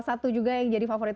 satu juga yang jadi favorit